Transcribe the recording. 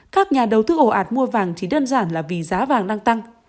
các nhà đầu tư ổ ạt mua vàng thì đơn giản là vì giá vàng đang tăng